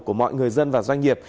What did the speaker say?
của mọi người dân và doanh nghiệp